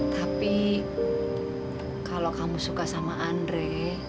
tapi kalau kamu suka sama andre